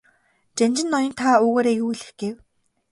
Жанжин ноён та үүгээрээ юу хэлэх гээв?